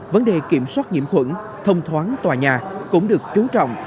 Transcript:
vấn đề kiểm soát nhiễm khuẩn thông thoáng tòa nhà cũng được chú trọng